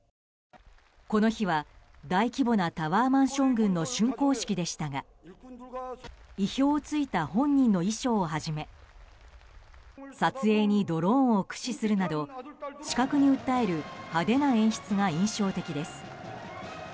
この日は大規模なタワーマンション群の竣工式でしたが意表を突いた本人の衣装をはじめ撮影にドローンを駆使するなど視覚に訴える派手な演出が印象的です。